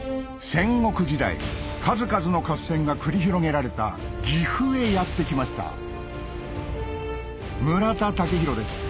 戦国時代数々の合戦が繰り広げられた岐阜へやって来ました村田雄浩です